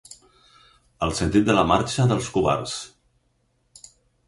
El sentit de la marxa dels covards.